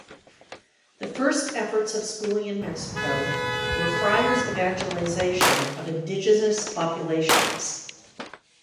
The first efforts of schooling in Mexico were friars' evangelization of indigenous populations.